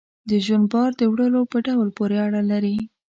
د ژوند بار د وړلو په ډول پورې اړه لري.